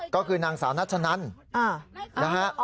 ก็คือนางสาวนัชนันนะฮะ